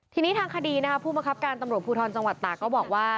ทีนี้ทางคดีนะครับผู้บังคับการตำรวจภูทรจังหวัดตากก็บอกว่า